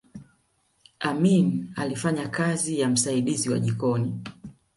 amin alifanya kazi ya msaidizi wa jikoni